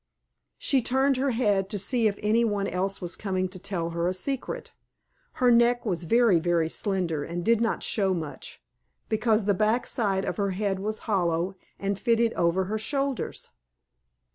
She turned her head to see if any one else was coming to tell her a secret. Her neck was very, very slender and did not show much, because the back side of her head was hollow and fitted over her shoulders.